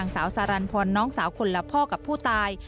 สารันพรน้องสาวคนละพ่อกับผู้ตาย